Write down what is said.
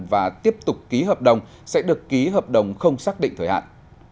và tiếp tục ký hợp đồng sẽ được ký hợp đồng không xác định thời hạn